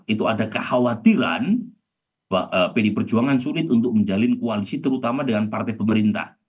itu ada kekhawatiran pd perjuangan sulit untuk menjalin koalisi terutama dengan partai pemerintah